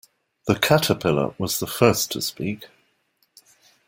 The Caterpillar was the first to speak.